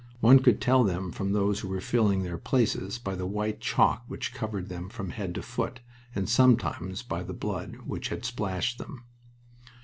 One could tell them from those who were filling their places by the white chalk which covered them from head to foot, and sometimes by the blood which had splashed them.